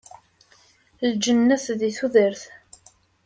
Lǧennet di tudert.